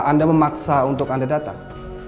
anda memaksa untuk anda datang